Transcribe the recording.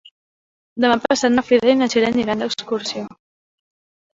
Demà passat na Frida i na Txell aniran d'excursió.